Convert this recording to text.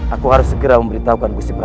aku harus segera memberitahukan bu sibra